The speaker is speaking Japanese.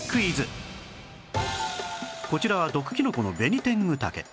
こちらは毒キノコのベニテングタケ